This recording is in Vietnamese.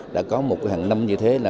đã có một hàng năm như thế